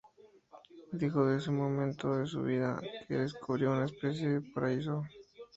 Dijo de este momento de su vida que descubrió "una especie de paraíso".